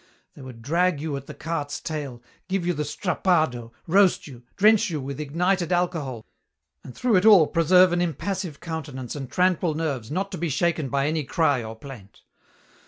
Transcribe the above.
They would drag you at the cart's tail, give you the strappado, roast you, drench you with ignited alcohol, and through it all preserve an impassive countenance and tranquil nerves not to be shaken by any cry or plaint.